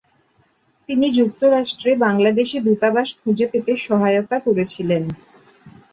তিনি যুক্তরাষ্ট্রে বাংলাদেশী দূতাবাস খুঁজে পেতে সহায়তা করেছিলেন।